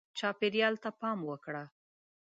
چاپېریال ته پام وکړه.